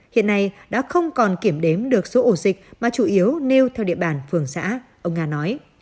hiện nay đã không còn kiểm đếm được số ổ dịch mà chủ yếu nêu theo địa bàn phường xã ông nga nói